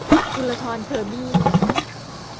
กุลธรเคอร์บี้